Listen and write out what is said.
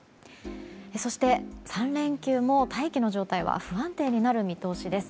そして、３連休も大気の状態は不安定になる見通しです。